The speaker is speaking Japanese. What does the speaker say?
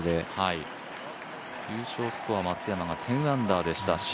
優勝スコア、松山が１０アンダーでした。